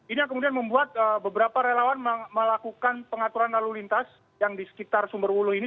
ini yang kemudian membuat beberapa relawan melakukan pengaturan lalu lintas yang di sekitar sumberwulu ini